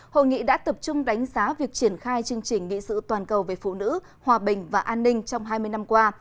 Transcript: hội nghị đã tập trung đánh giá việc triển khai chương trình nghị sự toàn cầu về phụ nữ hòa bình và an ninh trong hai mươi năm qua